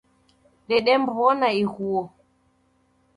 Dedemw'ona ighuo.